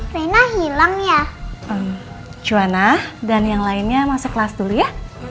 reina hilang ya cuana dan yang lainnya masuk kelas dulu ya